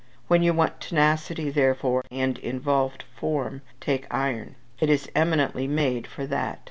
When you want tenacity, therefore, and involved form, take iron. It is eminently made for that.